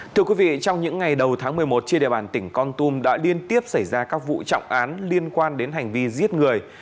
thưa quý vị trong những ngày đầu tháng một mươi một trên địa bàn tỉnh con tum đã liên tiếp xảy ra các vụ trọng án liên quan đến hành vi giết người